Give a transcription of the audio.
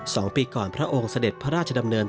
สองปีก่อนพระองค์เสด็จพระราชดำเนิน